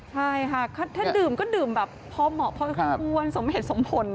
ใช่ค่ะถ้าดื่มก็ดื่มแบบพอเหตุสมผล